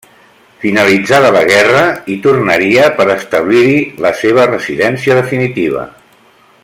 Finalitzada la guerra, hi tornaria per establir-hi la seva residència definitiva.